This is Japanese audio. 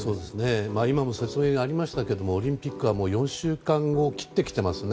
今も説明がありましたがオリンピックはもう４週間を切ってきていますよね。